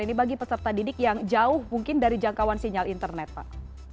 ini bagi peserta didik yang jauh mungkin dari jangkauan sinyal internet pak